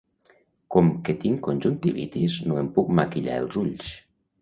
Com que tinc conjuntivitis, no em puc maquillar els ulls.